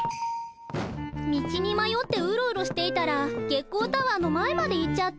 道にまよってウロウロしていたら月光タワーの前まで行っちゃった。